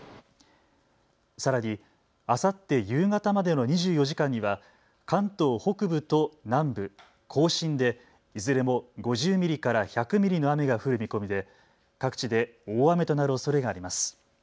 さらにあさって夕方までの２４時間には関東北部と南部、甲信でいずれも５０ミリから１００ミリの雨が降る見込みで各地で大雨となるおそれがあります。